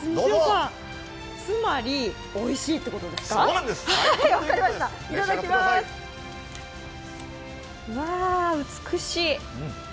つまりおいしいっていうことですか、分かりました。